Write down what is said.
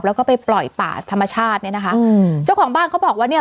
แล้วก็ไปปล่อยป่าธรรมชาติเนี้ยนะคะอืมเจ้าของบ้านเขาบอกว่าเนี้ย